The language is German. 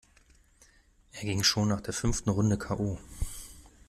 Er ging schon nach der fünften Runde k. o..